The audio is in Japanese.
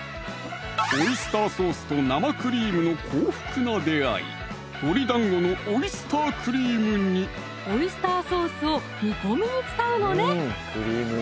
オイスターソースと生クリームの幸福な出会いオイスターソースを煮込みに使うのね！